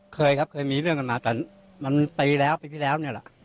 เคยครับเคยมีเรื่องกันมาแต่มันปีแล้วปีที่แล้วเนี่ยแหละ